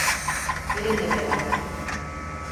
Benimle beraber.